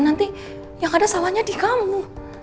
nanti yang ada salahnya di kamu